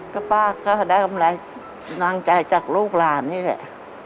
ก็ป้าก็ได้กำไรกำลังใจจากลูกหลานนี่แหละ